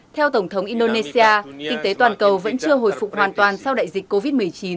theo tổng thống indonesia kinh tế toàn cầu vẫn chưa hồi phục hoàn toàn sau đại dịch covid một mươi chín